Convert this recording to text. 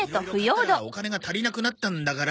色々買ったらお金が足りなくなったんだから。